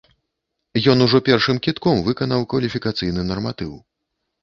Ён ужо першым кідком выканаў кваліфікацыйны нарматыў.